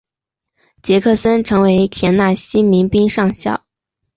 杰克森成为田纳西民兵上校。